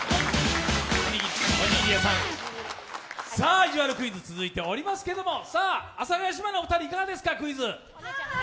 「いじわるクイズ」続いておりますけれども、阿佐ヶ谷姉妹のお二人いかがですか、クイズ。